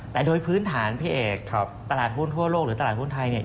แต่โดยพื้นฐานพี่เอกตลาดหุ้นทั่วโลกหรือตลาดหุ้นไทยเนี่ย